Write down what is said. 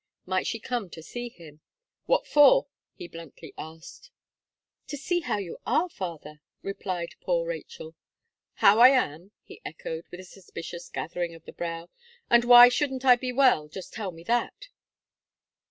"Might she come to see him?" "What for?" he bluntly asked. "To see how you are, father," replied poor Rachel. "How I am," he echoed, with a suspicious gathering of the brow, "and why shouldn't I be well, just tell me that?"